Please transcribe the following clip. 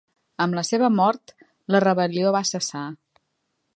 Amb la seva mort, la rebel·lió va cessar.